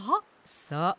そう。